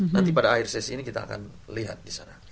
nanti pada akhir sesi ini kita akan lihat disana